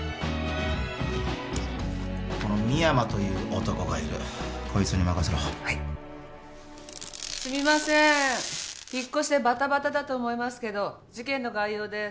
この深山という男がいるこいつに任せろはい・すみませーん引っ越しでバタバタだと思いますけど事件の概要です